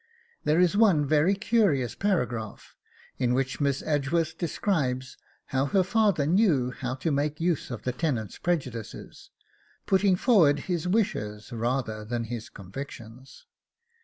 There is one very curious paragraph in which Miss Edgeworth describes how her father knew how to make use of the tenants' prejudices, putting forward his wishes rather than his convictions.